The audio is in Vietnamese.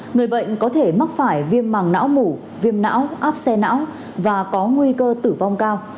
người bệnh có thể mắc phải viêm màng não mủ viêm não áp xe não và có nguy cơ tử vong cao